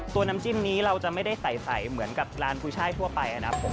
น้ำจิ้มนี้เราจะไม่ได้ใสเหมือนกับร้านกุ้ยช่ายทั่วไปนะครับผม